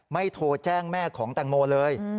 โทรแจ้งแม่ของแตงโมเลย